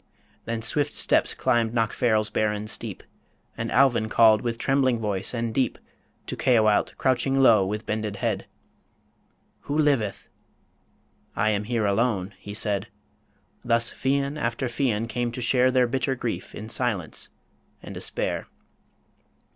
Then swift steps climbed Knockfarrel's barren steep, And Alvin called, with trembling voice and deep, To Caoilte, crouching low, with bended head, "Who liveth?" ... "I am here alone," he said ... Thus Fian after Fian came to share Their bitter grief, in silence and despair.